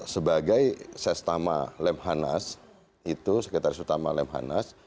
sebagai sestama lemhanas itu sekretaris utama lemhanas